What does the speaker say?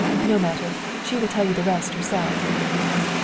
No matter! She will tell you the rest herself!"